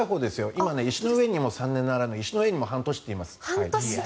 今、石の上にも三年ならぬ石の上にも半年って言います。